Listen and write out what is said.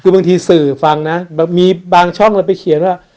คือบางทีสื่อฟังนะมีบางช่องเราไปเขียนว่า